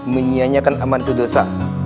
menyianyikan amanah itu dosa